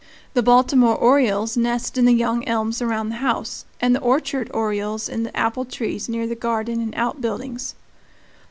The Baltimore orioles nest in the young elms around the house, and the orchard orioles in the apple trees near the garden and outbuildings.